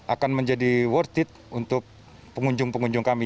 akan menjadi worth it untuk pengunjung pengunjung kami